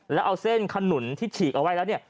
แล้วเอาเส้นขนุนที่ฉีกเอาไว้แล้วเนี่ย